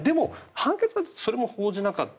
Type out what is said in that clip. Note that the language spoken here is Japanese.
判決が出て、それを報じなかった